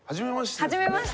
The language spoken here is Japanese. はじめまして。